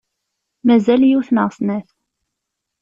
Mazal yiwet neɣ snat.